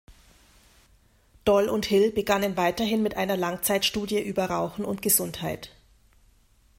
Doll und Hill begannen weiterhin mit einer Langzeitstudie über Rauchen und Gesundheit.